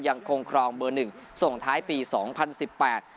ยังคงครองเบอร์หนึ่งส่งท้ายปีสองพันสิบแปด